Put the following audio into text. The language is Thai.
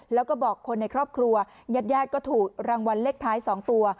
แล้วก็บอกคนในครอบครัวญาติญาติก็ถูกรางวัลเลขท้าย๒ตัว